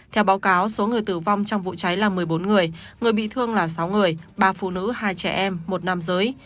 theo báo cáo số người tử vong trong vụ cháy là một mươi bốn người người bị thương là sáu người ba phụ nữ hai trẻ em một nam giới